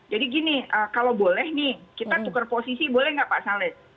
jadi gini kalau boleh nih kita tukar posisi boleh nggak pak salih